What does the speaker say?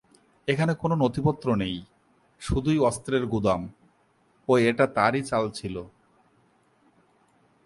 এখানে কোন নথিপত্র নেই শুধুই অস্ত্রের গুদাম ও এটা তারই চাল ছিল।